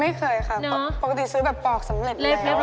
ไม่เคยค่ะปกติซื้อแบบปลอกสำเร็จแล้วเลยแล้วค่ะรับ